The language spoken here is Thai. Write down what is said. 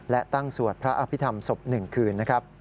และตั้งสวดพระอภิฒรรมศพ๑คืน